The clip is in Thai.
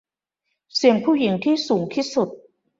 เสียงผู้หญิงที่สูงที่สุด